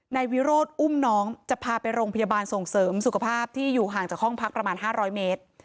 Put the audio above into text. นายวิโรธอุ้มน้องจะพาไปโรงพยาบาลส่งเสริมสุขภาพที่อยู่ห่างจากห้องพักประมาณ๕๐๐เมตร